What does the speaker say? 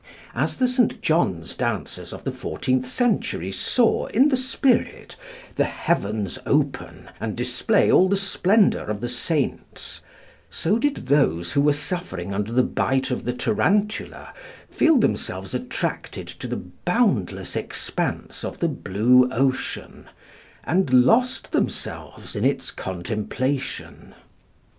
As the St. John's dancers of the fourteenth century saw, in the spirit, the heavens open and display all the splendour of the saints, so did those who were suffering under the bite of the tarantula feel themselves attracted to the boundless expanse of the blue ocean, and lost themselves in its contemplation.